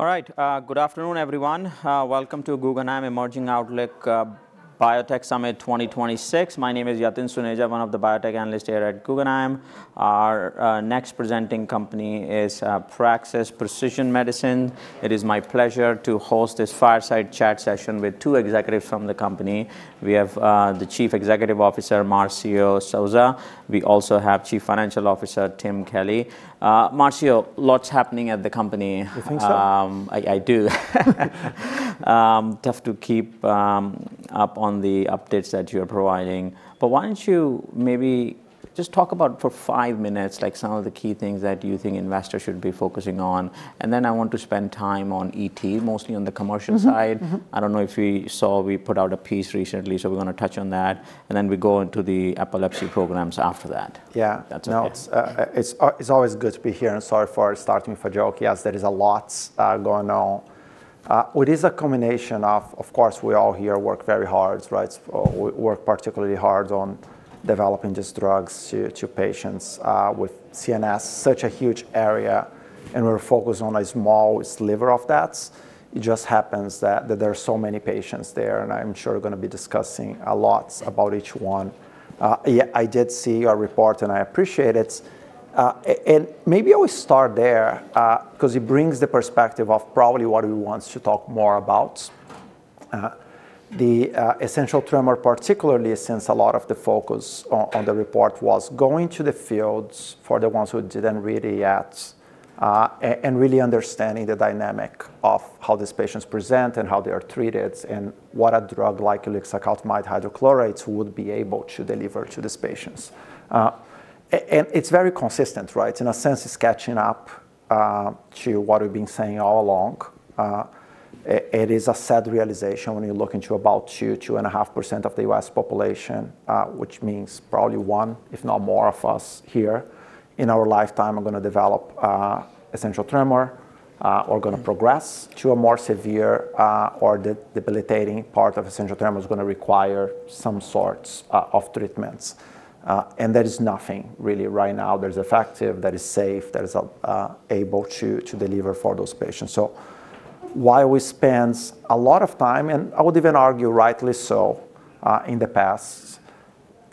All right, good afternoon, everyone. Welcome to Guggenheim Emerging Outlook, Biotech Summit 2026. My name is Yatin Suneja, one of the biotech analysts here at Guggenheim. Our next presenting company is Praxis Precision Medicines. It is my pleasure to host this fireside chat session with two executives from the company. We have the Chief Executive Officer, Marcio Souza. We also have Chief Financial Officer, Tim Kelly. Marcio, lots happening at the company. You think so? I do. Tough to keep up on the updates that you're providing. But why don't you maybe just talk about for five minutes, like some of the key things that you think investors should be focusing on, and then I want to spend time on ET, mostly on the commercial side. Mm-hmm, mm-hmm. I don't know if you saw, we put out a piece recently, so we're gonna touch on that, and then we go into the epilepsy programs after that. Yeah. That's okay. No, it's always good to be here, and sorry for starting with a joke. Yes, there is a lot going on. It is a combination of course, we all here work very hard, right? We work particularly hard on developing these drugs to patients with CNS, such a huge area, and we're focused on a small sliver of that. It just happens that there are so many patients there, and I'm sure we're gonna be discussing a lot about each one. Yeah, I did see your report, and I appreciate it. And maybe I will start there, 'cause it brings the perspective of probably what we want to talk more about. The essential tremor, particularly since a lot of the focus on the report was going to the fields for the ones who didn't read yet, and really understanding the dynamic of how these patients present and how they are treated, and what a drug like ulixacaltamide hydrochloride would be able to deliver to these patients. And it's very consistent, right? In a sense, it's catching up to what we've been saying all along. It is a sad realization when you look into about 2-2.5% of the U.S. population, which means probably one, if not more of us here, in our lifetime, are gonna develop essential tremor, or gonna progress to a more severe or debilitating part of essential tremor is gonna require some sorts of treatments. There is nothing really right now that is effective, that is safe, that is able to deliver for those patients. While we spent a lot of time, and I would even argue rightly so, in the past,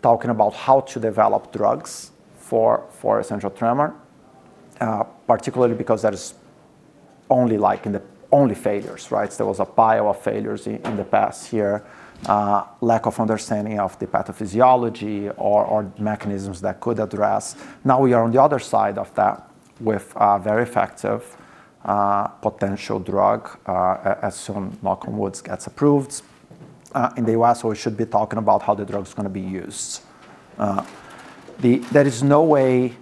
talking about how to develop drugs for essential tremor, particularly because that is only, like, in the-- only failures, right? There was a pile of failures in the past here, lack of understanding of the pathophysiology or mechanisms that could address. Now we are on the other side of that with a very effective, potential drug, as soon as Malcolm Woods gets approved in the U.S., so we should be talking about how the drug is gonna be used. There is no way...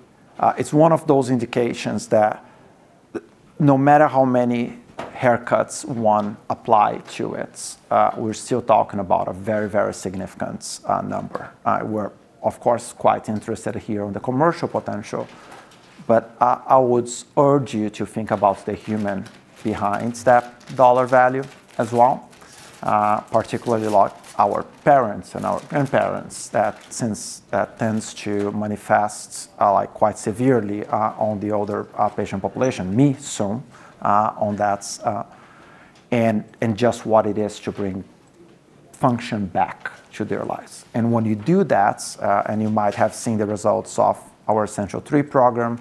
It's one of those indications that no matter how many haircuts one apply to it, we're still talking about a very, very significant number. We're, of course, quite interested here on the commercial potential, but I, I would urge you to think about the human behind that dollar value as well, particularly like our parents and our grandparents, that since that tends to manifest, like, quite severely, on the older patient population, you see, on that, and, and just what it is to bring function back to their lives. And when you do that, and you might have seen the results of our Essential3 program,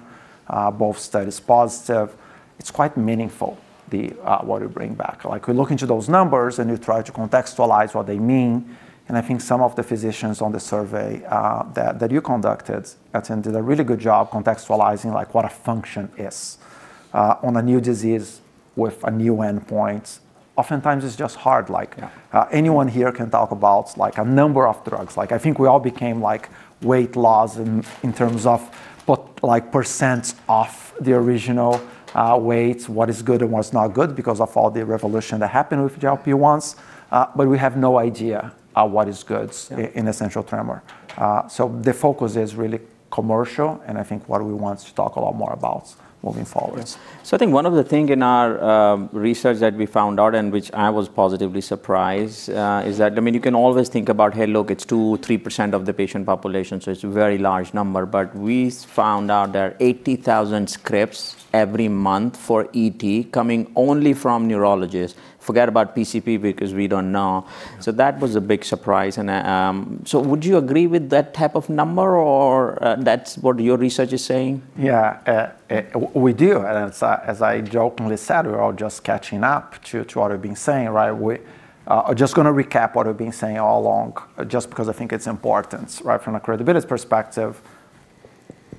both studies positive, it's quite meaningful, the what we bring back. Like, we look into those numbers, and you try to contextualize what they mean, and I think some of the physicians on the survey that you conducted, Yatin, did a really good job contextualizing, like, what a function is. On a new disease with a new endpoint, oftentimes it's just hard, like- Yeah. Anyone here can talk about, like, a number of drugs. Like, I think we all became, like, weight loss in terms of what, like, percent of the original weight, what is good and what's not good because of all the revolution that happened with GLP-1s, but we have no idea what is good- Yeah... in Essential Tremor. So the focus is really commercial, and I think what we want to talk a lot more about moving forward. Yes. I think one of the thing in our research that we found out, and which I was positively surprised, is that, I mean, you can always think about, "Hey, look, it's 2-3% of the patient population, so it's a very large number." But we found out there are 80,000 scripts every month for ET coming only from neurologists. Forget about PCP, because we don't know. Yeah. So that was a big surprise, and so would you agree with that type of number, or that's what your research is saying? Yeah, we do, and as I jokingly said, we're all just catching up to what I've been saying, right? I'm just gonna recap what I've been saying all along, just because I think it's important, right, from a credibility perspective.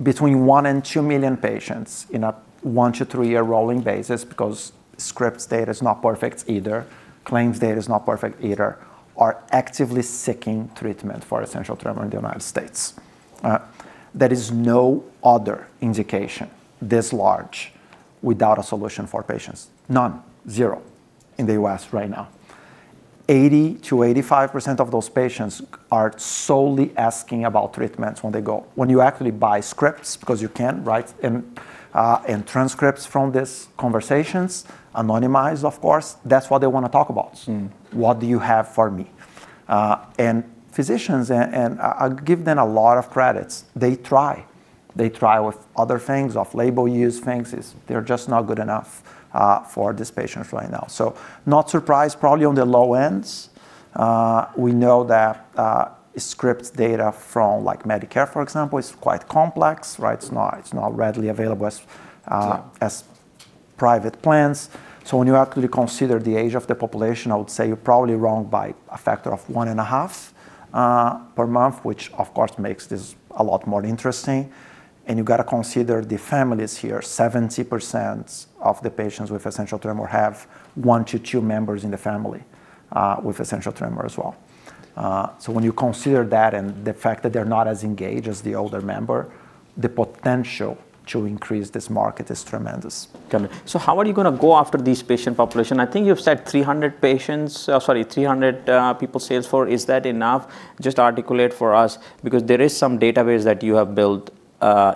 Between 1 and 2 million patients in a 1-3-year rolling basis, because scripts data is not perfect either, claims data is not perfect either, are actively seeking treatment for essential tremor in the United States. There is no other indication this large without a solution for patients. None, zero in the U.S. right now. 80%-85% of those patients are solely asking about treatments when they go. When you actually buy scripts, because you can, right? And transcripts from these conversations, anonymized, of course, that's what they wanna talk about. Mm. What do you have for me?" And physicians, and I'll give them a lot of credits, they try... they try with other things, off-label use things, it's, they're just not good enough for these patients right now. So not surprised, probably on the low ends. We know that script data from, like, Medicare, for example, is quite complex, right? It's not, it's not readily available as, Yeah... as private plans. So when you actually consider the age of the population, I would say you're probably wrong by a factor of 1.5 per month, which of course makes this a lot more interesting. And you've got to consider the families here. 70% of the patients with essential tremor have 1-2 members in the family with essential tremor as well. So when you consider that and the fact that they're not as engaged as the older member, the potential to increase this market is tremendous. Got it. So how are you gonna go after this patient population? I think you've said 300 patients, sorry, 300 people sales for. Is that enough? Just articulate for us, because there is some database that you have built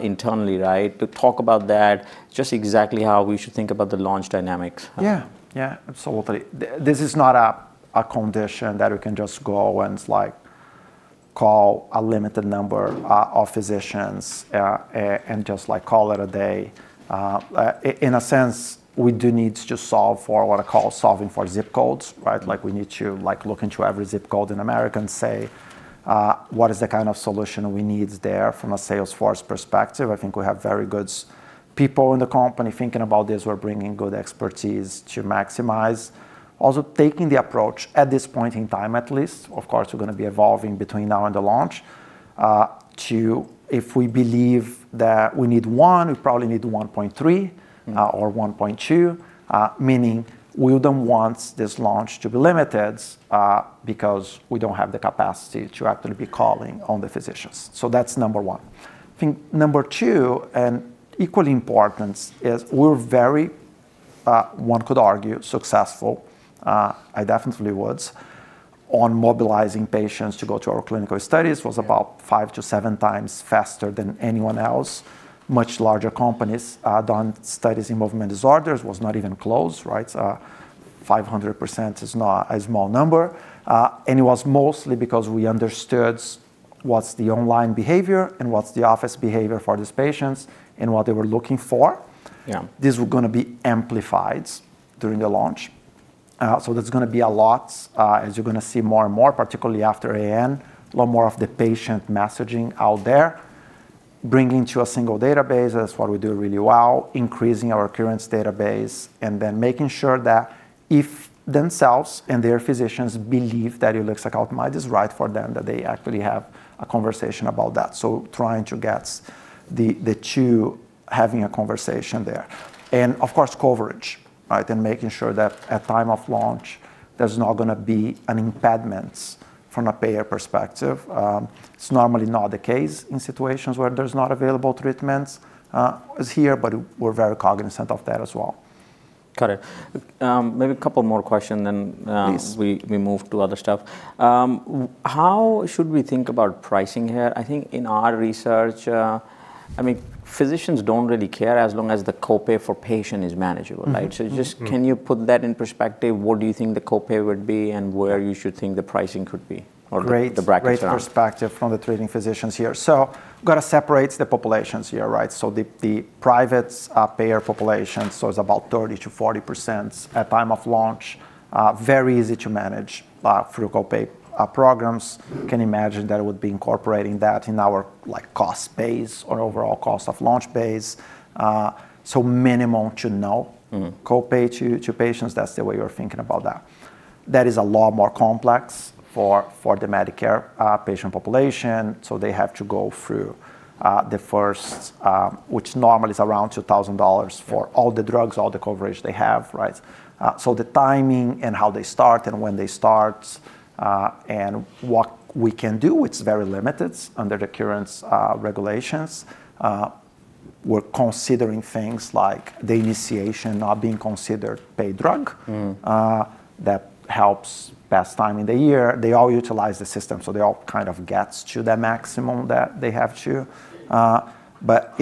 internally, right? To talk about that, just exactly how we should think about the launch dynamics. Yeah. Yeah, absolutely. This is not a condition that we can just go and, like, call a limited number of physicians and just, like, call it a day. In a sense, we do need to solve for what I call solving for zip codes, right? Like, we need to, like, look into every zip code in America and say, what is the kind of solution we need there from a sales force perspective. I think we have very good people in the company thinking about this. We're bringing good expertise to maximize. Also, taking the approach at this point in time, at least, of course, we're gonna be evolving between now and the launch, to... If we believe that we need one, we probably need 1.3- Mm-hmm... or 1.2, meaning we don't want this launch to be limited, because we don't have the capacity to actually be calling on the physicians. So that's number one. I think number two, and equally important, is we're very, one could argue, successful, I definitely would, on mobilizing patients to go to our clinical studies. Yeah. Was about 5-7 times faster than anyone else. Much larger companies, done studies in movement disorders, was not even close, right? 500% is not a small number, and it was mostly because we understood what's the online behavior and what's the office behavior for these patients and what they were looking for. Yeah. This is gonna be amplified during the launch. So there's gonna be a lot, as you're gonna see more and more, particularly after NDA, a lot more of the patient messaging out there, bringing to a single database. That's what we do really well, increasing our current database, and then making sure that if themselves and their physicians believe that it looks like ulixacaltamide is right for them, that they actually have a conversation about that. So trying to get the, the two having a conversation there. And of course, coverage, right? And making sure that at time of launch, there's not gonna be an impediment from a payer perspective. It's normally not the case in situations where there's not available treatments, as here, but we're very cognizant of that as well. Got it. Maybe a couple more questions then- Please... we move to other stuff. How should we think about pricing here? I think in our research, I mean, physicians don't really care as long as the copay for patient is manageable, right? Mm-hmm. Mm-hmm. Just, can you put that in perspective? What do you think the copay would be, and where you should think the pricing could be, or- Great... the brackets around? Great perspective from the treating physicians here. So we've got to separate the populations here, right? So the private payer population, so it's about 30%-40% at time of launch, very easy to manage, through copay programs. Mm. Can imagine that it would be incorporating that in our, like, cost base or overall cost of launch base. So minimal to no- Mm-hmm... copay to, to patients, that's the way we're thinking about that. That is a lot more complex for, for the Medicare patient population, so they have to go through, the first, which normally is around $2,000- Yeah... for all the drugs, all the coverage they have, right? So the timing and how they start and when they start, and what we can do, it's very limited under the current regulations. We're considering things like the initiation not being considered paid drug. Mm. That helps best time in the year. They all utilize the system, so they all kind of get to the maximum that they have to. But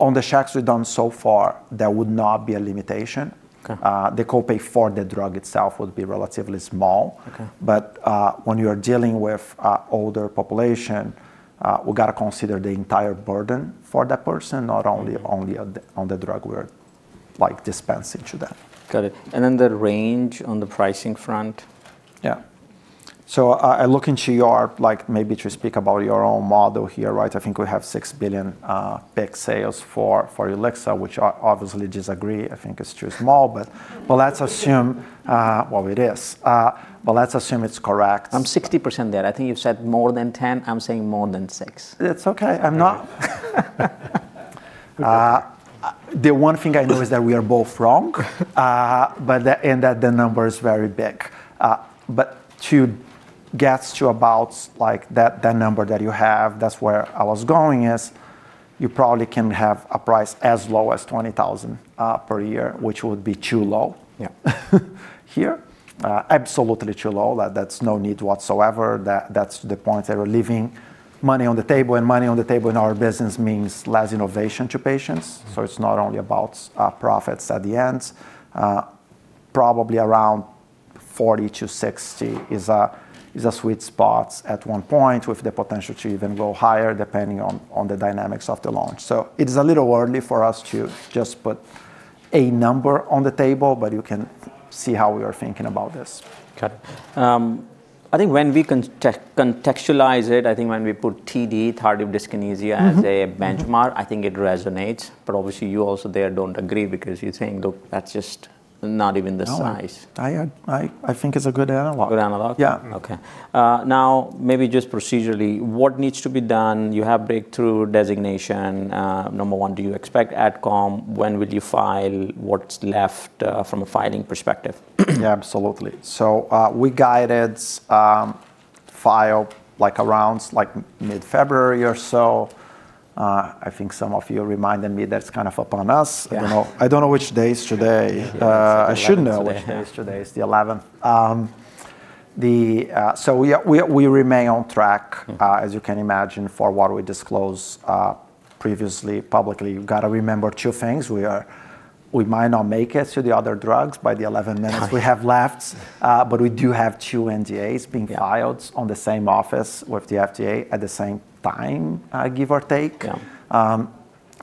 on the checks we've done so far, there would not be a limitation. Okay. The copay for the drug itself would be relatively small. Okay. But when you are dealing with an older population, we gotta consider the entire burden for that person, not only on the drug we're like dispensing to them. Got it. And then the range on the pricing front? Yeah. So, I look into your, like, maybe to speak about your own model here, right? I think we have $6 billion peak sales for ulixa, which I obviously disagree. I think it's too small, but let's assume it is. But let's assume it's correct. I'm 60% there. I think you've said more than 10. I'm saying more than 6. It's okay. The one thing I know is that we are both wrong, but and that the number is very big. But to get to about, like, that, that number that you have, that's where I was going, is you probably can have a price as low as $20,000 per year, which would be too low- Yeah... here. Absolutely too low. That's no need whatsoever. That's the point that we're leaving money on the table, and money on the table in our business means less innovation to patients. Mm-hmm. So it's not only about profits at the end. Probably around 40-60 is a sweet spot at one point, with the potential to even go higher, depending on the dynamics of the launch. So it is a little early for us to just put a number on the table, but you can see how we are thinking about this. Got it. I think when we contextualize it, I think when we put TD, tardive dyskinesia- Mm-hmm, mm-hmm... as a benchmark, I think it resonates. But obviously, you also there don't agree because you're saying that's just not even the size. No, I think it's a good analog. Good analog? Yeah. Okay. Now, maybe just procedurally, what needs to be done? You have breakthrough designation. Number one, do you expect ad comm? When will you file? What's left from a filing perspective? Yeah, absolutely. So, we guided, file, like, around, like, mid-February or so. I think some of you reminded me that's kind of upon us. Yeah. I don't know, I don't know which day is today. I should know which day is today. It's the eleventh. So we are—we remain on track- Mm... as you can imagine, for what we disclosed previously, publicly. You've got to remember two things: we might not make it to the other drugs by the 11 minutes we have left. But we do have two NDAs being- Yeah... filed on the same office with the FDA at the same time, give or take. Yeah.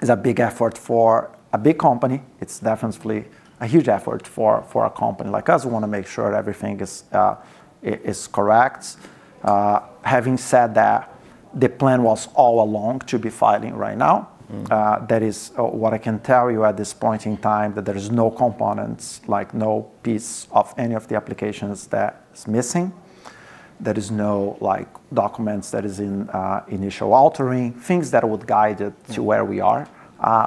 It's a big effort for a big company. It's definitely a huge effort for, for a company like us. We wanna make sure everything is, is correct. Having said that, the plan was all along to be filing right now. Mm. That is what I can tell you at this point in time, that there is no components, like no piece of any of the applications that is missing. There is no, like, documents that is in initial altering, things that would guide it- Mm... to where we are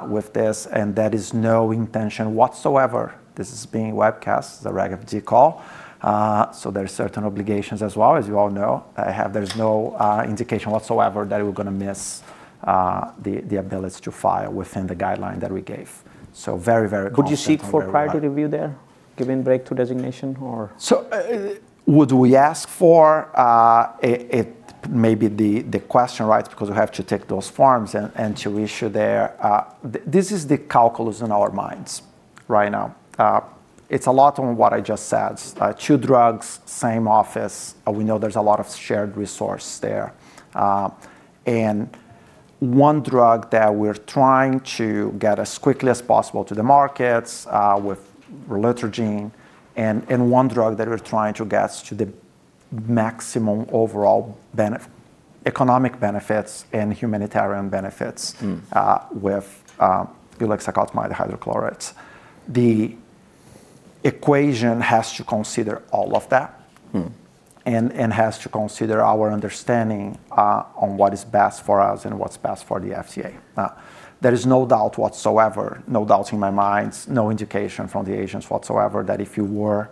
with this, and there is no intention whatsoever. This is being webcast, the Reg FD call, so there are certain obligations as well, as you all know. There's no indication whatsoever that we're gonna miss the ability to file within the guideline that we gave. So very, very confident we're- Would you seek for Priority Review there, given Breakthrough Designation or-? So, would we ask for it, it may be the question, right? Because we have to take those forms and to issue there. This is the calculus in our minds right now. It's a lot on what I just said. Two drugs, same office, and we know there's a lot of shared resource there. And one drug that we're trying to get as quickly as possible to the markets, with relutrigine, and one drug that we're trying to get to the maximum overall bene-- economic benefits and humanitarian benefits- Mm... with ulixacaltamide hydrochloride. The equation has to consider all of that- Mm... and has to consider our understanding on what is best for us and what's best for the FDA. Now, there is no doubt whatsoever, no doubt in my mind, no indication from the agents whatsoever, that if you were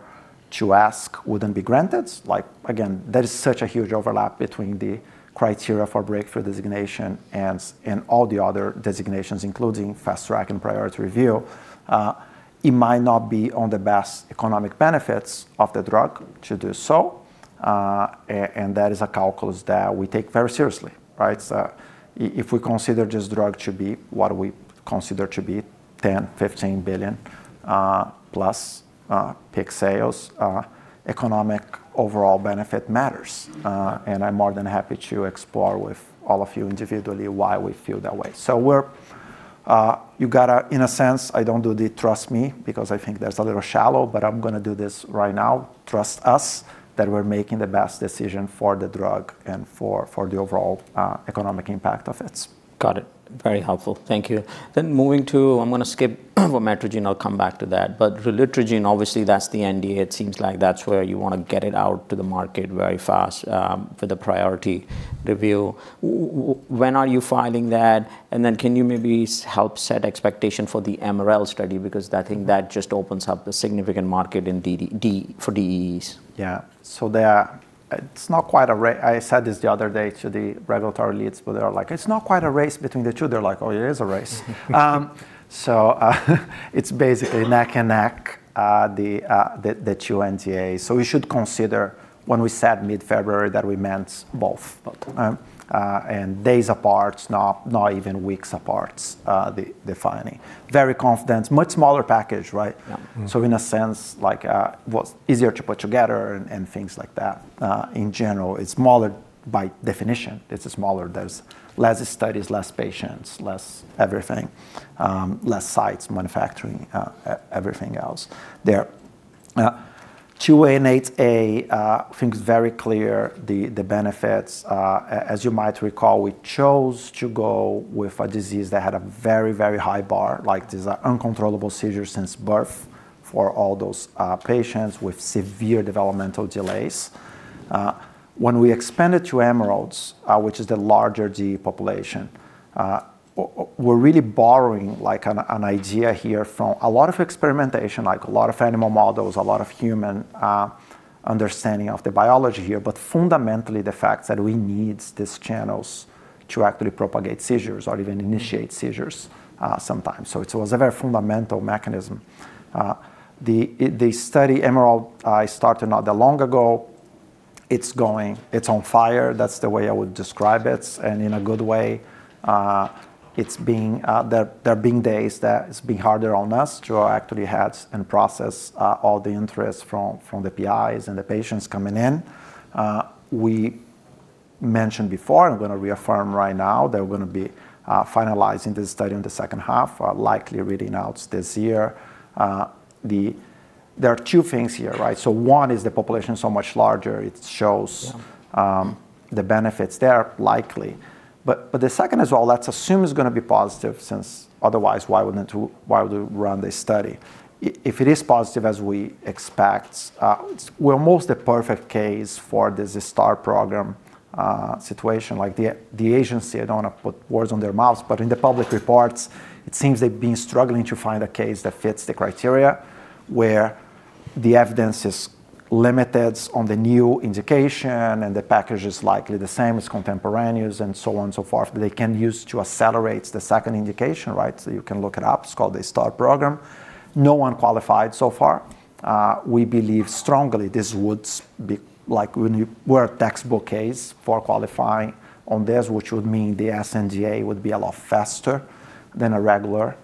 to ask, wouldn't be granted. Like, again, there is such a huge overlap between the criteria for breakthrough designation and and all the other designations, including fast track and priority review. It might not be on the best economic benefits of the drug to do so, and that is a calculus that we take very seriously, right? So if we consider this drug to be what we consider to be $10 billion-$15 billion plus peak sales, economic overall benefit matters. And I'm more than happy to explore with all of you individually why we feel that way. So we're you gotta, in a sense, I don't do the trust me, because I think that's a little shallow, but I'm gonna do this right now. Trust us that we're making the best decision for the drug and for the overall economic impact of it. Got it. Very helpful. Thank you. Then moving to... I'm gonna skip Rylofentor, I'll come back to that. But relutrigine, obviously, that's the NDA. It seems like that's where you wanna get it out to the market very fast, for the priority review. When are you filing that? And then can you maybe help set expectation for the EMERALD study? Because I think that just opens up a significant market in DEE for DEEs. Yeah. So it's not quite a race. I said this the other day to the regulatory leads, but they are like, "It's not quite a race between the two." They're like, "Oh, it is a race." So, it's basically neck and neck, the two NDAs. So we should consider when we said mid-February, that we meant both. Both. Days apart, not even weeks apart, the filing. Very confident. Much smaller package, right? Yeah. Mm. So in a sense, like, what's easier to put together and things like that. In general, it's smaller by definition. It's smaller. There's less studies, less patients, less everything, less sites, manufacturing, everything else. There, SCN2A and SCN8A, I think it's very clear the benefits. As you might recall, we chose to go with a disease that had a very, very high bar, like these are uncontrollable seizures since birth for all those patients with severe developmental delays. When we expand it to Emerald, which is the larger DEE population, we're really borrowing like an idea here from a lot of experimentation, like a lot of animal models, a lot of human understanding of the biology here, but fundamentally, the fact that we need these channels to actually propagate seizures or even initiate seizures, sometimes. So it was a very fundamental mechanism. The study, Emerald, started not that long ago. It's going, it's on fire. That's the way I would describe it, and in a good way. It's being, there have been days that it's been harder on us to actually handle and process all the interest from the PIs and the patients coming in. We mentioned before, I'm gonna reaffirm right now, that we're gonna be finalizing this study in the second half, likely reading out this year. There are two things here, right? So one is the population is so much larger, it shows- Yeah... the benefits there likely. But the second as well, let's assume it's gonna be positive, since otherwise, why wouldn't we, why would we run this study? If it is positive as we expect, it's we're almost a perfect case for the STAR program situation. Like, the agency, I don't want to put words in their mouths, but in the public reports, it seems they've been struggling to find a case that fits the criteria, where the evidence is limited on the new indication, and the package is likely the same as contemporaneous, and so on and so forth. They can use to accelerate the second indication, right? So you can look it up. It's called the STAR program. No one qualified so far. We believe strongly this would be like when you—we're a textbook case for qualifying on this, which would mean the sNDA would be a lot faster than a regular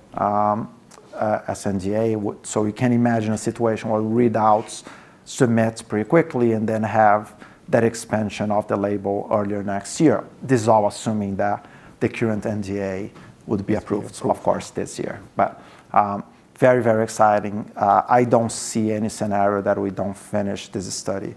sNDA. So we can imagine a situation where readouts submit pretty quickly and then have that expansion of the label earlier next year. This is all assuming that the current NDA would be approved. Of course... of course, this year. But, very, very exciting. I don't see any scenario that we don't finish this study.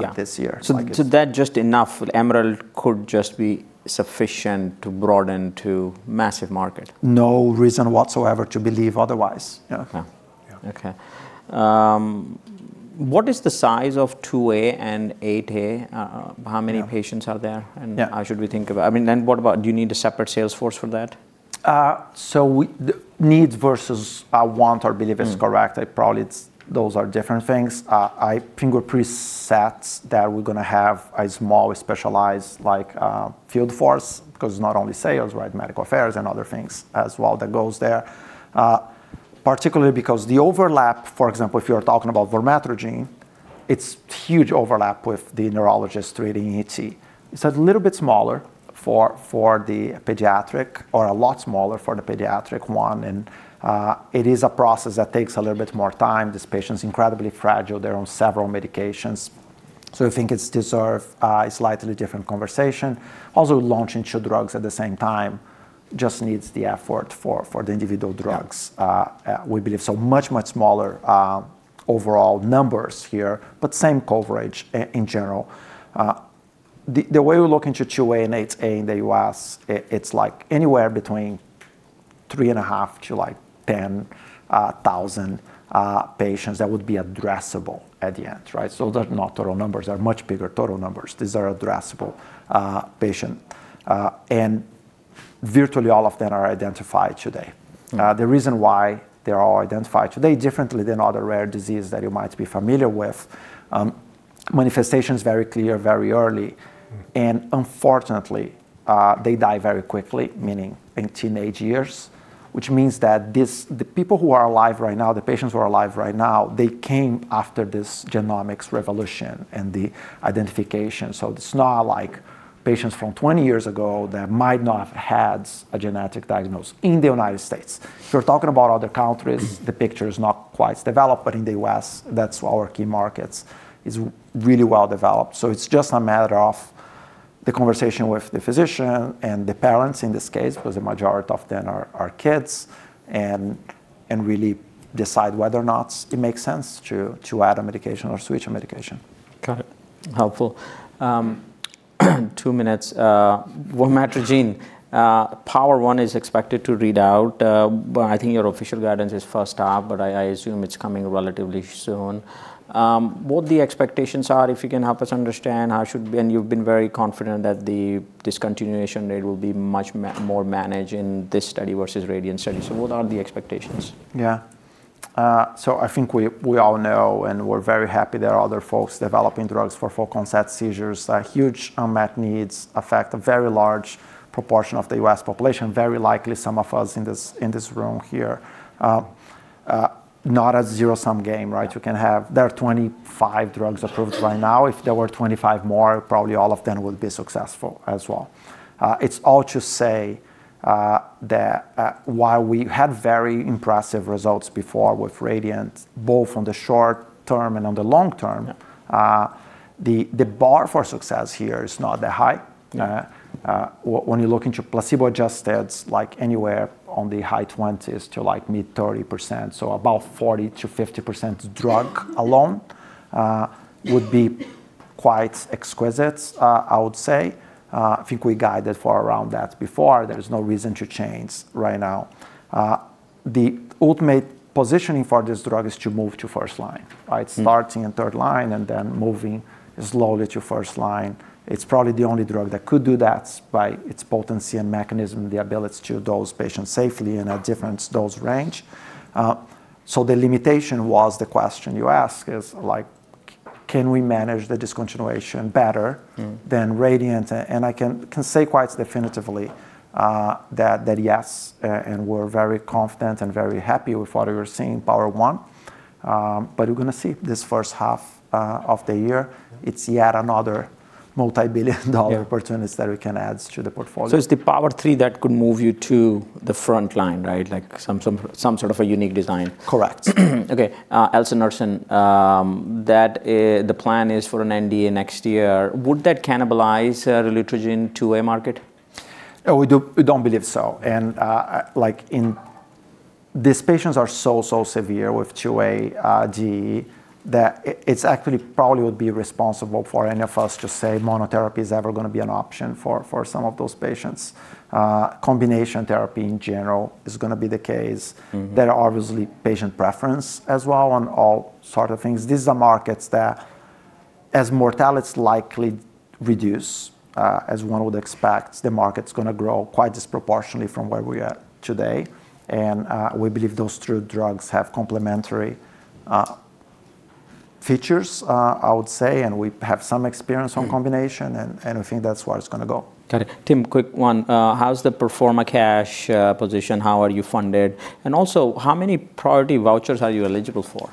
Yeah... this year. So, that just enough, EMERALD could just be sufficient to broaden to massive market? No reason whatsoever to believe otherwise. Yeah. Yeah. Yeah. Okay. What is the size of SCN2A and SCN8A? Yeah... how many patients are there? Yeah. How should we think about, I mean, then what about, do you need a separate sales force for that? So we the needs versus want or believe- Mm... is correct. It probably it's those are different things. I think we're pretty set that we're gonna have a small specialized, like, field force, because it's not only sales, right? Medical affairs and other things as well, that goes there. Particularly because the overlap, for example, if you're talking about vormatrigine, it's huge overlap with the neurologist treating ET. It's a little bit smaller for the pediatric, or a lot smaller for the pediatric one, and it is a process that takes a little bit more time. This patient's incredibly fragile. They're on several medications, so I think it deserves a slightly different conversation. Also, launching two drugs at the same time just needs the effort for the individual drugs- Yeah... we believe. So much smaller overall numbers here, but same coverage in general. The way we're looking to SCN2A and SCN8A in the U.S., it's like anywhere between 3.5-10,000 patients that would be addressable at the end, right? So they're not total numbers. They are much bigger total numbers. These are addressable patients, and virtually all of them are identified today. The reason why they're all identified today, differently than other rare disease that you might be familiar with, manifestation is very clear, very early, and unfortunately, they die very quickly, meaning in teenage years. Which means that the people who are alive right now, the patients who are alive right now, they came after this genomics revolution and the identification. So it's not like patients from 20 years ago that might not have had a genetic diagnosis in the United States. If you're talking about other countries- Mm... the picture is not quite as developed, but in the U.S., that's our key markets, is really well developed. So it's just a matter of the conversation with the physician and the parents in this case, because the majority of them are kids and really decide whether or not it makes sense to add a medication or switch a medication. Got it. Helpful. Two minutes, vormatrigine. POWER1 is expected to read out, but I think your official guidance is first half, but I assume it's coming relatively soon. What the expectations are, if you can help us understand, how should... And you've been very confident that the discontinuation rate will be much more managed in this study versus RADIANT study. So what are the expectations? Yeah. So I think we, we all know, and we're very happy there are other folks developing drugs for focal onset seizures. A huge unmet needs affect a very large proportion of the U.S. population, very likely some of us in this, in this room here. Not a zero-sum game, right? Yeah. You can have... There are 25 drugs approved right now. If there were 25 more, probably all of them would be successful as well. It's all to say that while we had very impressive results before with RADIANT, both on the short term and on the long term- Yeah... the bar for success here is not that high. Yeah. When you look into placebo-adjusted, it's like anywhere on the high 20s to, like, mid-30s%. So about 40%-50% drug alone would be quite exquisite, I would say. I think we guided for around that before. There is no reason to change right now. The ultimate positioning for this drug is to move to first line, right? Mm. Starting in third line and then moving slowly to first line. It's probably the only drug that could do that by its potency and mechanism, the ability to dose patients safely in a different dose range. So the limitation was the question you ask, is, like, can we manage the discontinuation better? Mm... than RADIANT? And I can say quite definitively that yes, and we're very confident and very happy with what we were seeing POWER1... but we're gonna see this first half of the year, it's yet another multi-billion dollar opportunities that we can add to the portfolio. It's the POWER3 that could move you to the front line, right? Like, some sort of a unique design. Correct. Okay, Elsunersen, the plan is for an NDA next year. Would that cannibalize the relutrigine SCN2A market? Oh, we don't believe so. And, like, these patients are so, so severe with 2A E, that it's actually probably would be irresponsible for any of us to say monotherapy is ever gonna be an option for, for some of those patients. Combination therapy in general is gonna be the case. Mm. There are obviously patient preference as well, on all sort of things. These are markets that, as mortality is likely reduce, as one would expect, the market's gonna grow quite disproportionately from where we are today. And, we believe those two drugs have complementary, features, I would say, and we have some experience on combination- Mm. I think that's where it's gonna go. Got it. Tim, quick one. How's the pro forma cash position? How are you funded? And also, how many priority vouchers are you eligible for?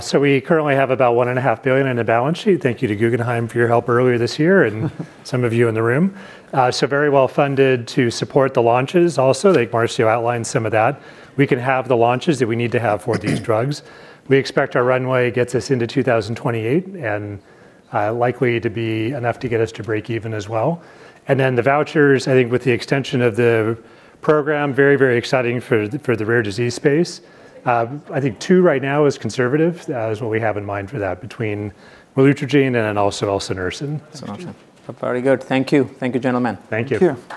So we currently have about $1.5 billion in the balance sheet. Thank you to Guggenheim for your help earlier this year, and some of you in the room. So very well-funded to support the launches. Also, I think Marcio outlined some of that. We can have the launches that we need to have for these drugs. We expect our runway gets us into 2028, and likely to be enough to get us to break even as well. And then the vouchers, I think with the extension of the program, very, very exciting for the rare disease space. I think 2 right now is conservative, is what we have in mind for that, between relutrigine and then also elsunersen. Alsinerksen. Very good. Thank you. Thank you, gentlemen. Thank you. Thank you!